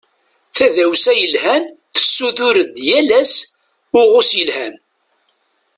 Tadawsa yelhan tessutur-d yal ass uɣus yelhan.